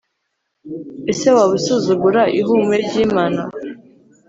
ese waba usuzugura ihumure ry'imana